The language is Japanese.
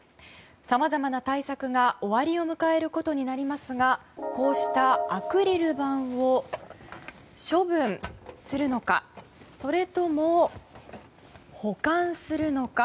さまざまな対策が終わりを迎えることになりますがこうしたアクリル板を処分するのかそれとも、保管するのか。